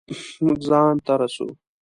مونږ ځان ته رسو